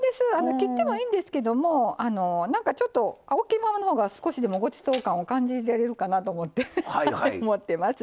切ってもいいんですけどもちょっと大きいままのほうが少しでもごちそう感を感じられるかなと思ってます。